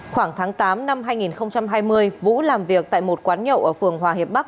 khoảng tháng tám năm hai nghìn hai mươi vũ làm việc tại một quán nhậu ở phường hòa hiệp bắc